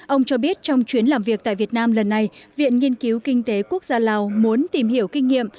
ông cho biết trong chuyến làm việc tại việt nam lần này viện nghiên cứu kinh tế quốc gia lào muốn tìm hiểu kinh nghiệm